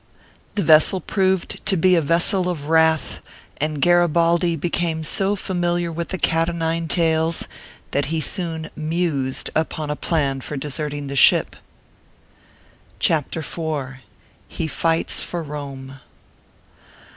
The vessel proved to be a vessel of wrath, and Garibaldi became so familiar with the eat o nine tails, that he soon mused upon a plan for deserting the ship. CHAPTER IV HE FIGHTS FOR ROME.